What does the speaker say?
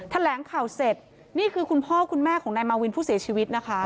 แถลงข่าวเสร็จนี่คือคุณพ่อคุณแม่ของนายมาวินผู้เสียชีวิตนะคะ